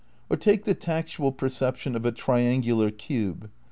Or take the tactual perception of a triangular cube.